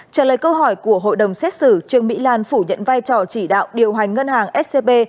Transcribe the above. trả lời câu hỏi của hội đồng xét xử trương mỹ lan phủ nhận vai trò chỉ đạo điều hành ngân hàng scb